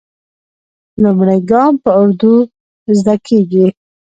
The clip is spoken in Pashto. لومړی ګام په اردو زده کېږي.